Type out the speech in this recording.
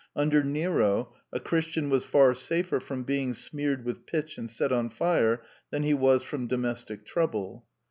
Under Nero a Christian was far safer from being smeared with pitch and set on fire than he was from do mestic trouble.